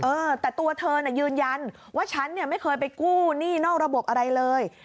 เออแต่ตัวเธอน่ะยืนยันว่าฉันเนี่ยไม่เคยไปกู้หนี้นอกระบบอะไรเลย